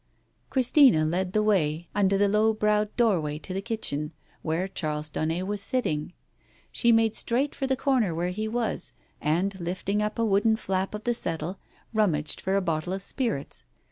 Christina led the way under the low browed doorway Digitized by Google THE BLUE BONNET 173 to the kitchen, where Charles Daunet was sitting. She made straight for the corner where he was, and lifting up a wooden flap of the settle, rummaged for a bottle of spirits.